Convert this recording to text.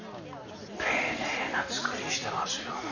丁寧な作りしてますよね。